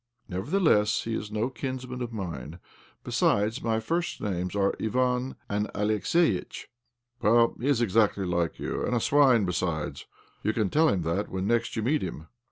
" Nevertheless he is no kinsman of mine. Besides, my first names are Ivan and Alex eitch." " Well, he is exactly like you, and a swine besides. You can tell him that when next you meet him."